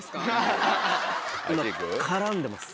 今絡んでます。